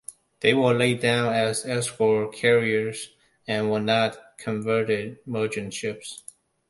They were laid down as escort carriers and were not converted merchant ships.